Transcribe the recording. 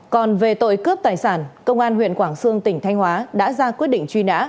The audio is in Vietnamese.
còn về tội cướp tài sản công an huyện quảng sương tỉnh thanh hóa đã ra quyết định truy nã